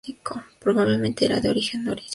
Probablemente era de origen nórdico.